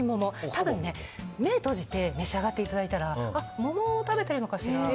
多分、目を閉じて召し上がっていただいたら桃を食べてるのかしらと。